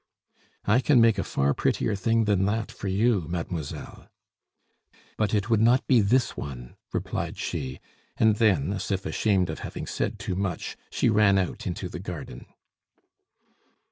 "I can make a far prettier thing than that for you, mademoiselle." "But it would not be this one," replied she; and then, as if ashamed of having said too much, she ran out into the garden.